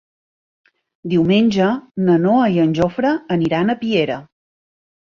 Diumenge na Noa i en Jofre aniran a Piera.